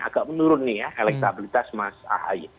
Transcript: agak menurun nih ya elektabilitas mas ahaye